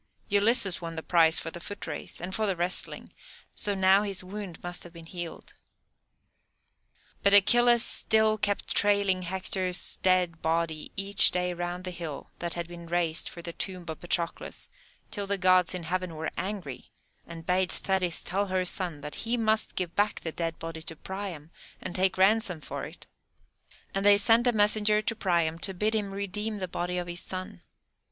Ulysses won the prize for the foot race, and for the wrestling, so now his wound must have been healed. But Achilles still kept trailing Hector's dead body each day round the hill that had been raised for the tomb of Patroclus, till the Gods in heaven were angry, and bade Thetis tell her son that he must give back the dead body to Priam, and take ransom for it, and they sent a messenger to Priam to bid him redeem the body of his son.